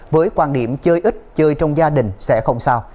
với quan điểm chơi ít chơi trong gia đình sẽ không sao